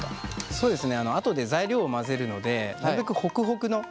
そうですね。